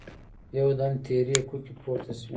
يودم تېرې کوکې پورته شوې.